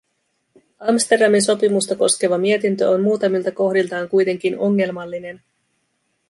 Amsterdamin sopimusta koskeva mietintö on muutamilta kohdiltaan kuitenkin ongelmallinen.